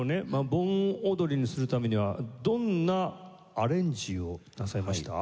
盆踊りにするためにはどんなアレンジをなさいました？